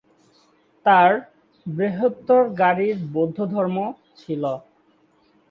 তার "বৃহত্তর গাড়ির বৌদ্ধধর্ম" ছিল।